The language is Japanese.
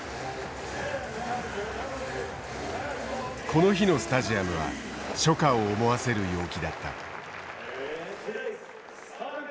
この日のスタジアムは初夏を思わせる陽気だった。